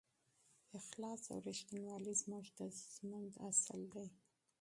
صداقت او رښتینولي زموږ د ژوند اصل دی.